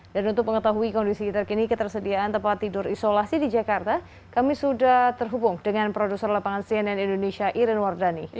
dan untuk mengetahui kondisi terkini ketersediaan tempat tidur isolasi di jakarta kami sudah terhubung dengan produser lapangan cnn indonesia iren wardani